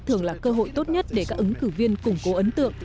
thường là cơ hội tốt nhất để các ứng cử viên củng cố ấn tượng